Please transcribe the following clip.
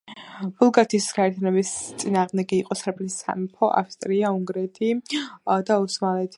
ბულგარეთის გაერთიანების წინააღმდეგი იყო სერბეთის სამეფო, ავსტრია-უნგრეთი და ოსმალეთი.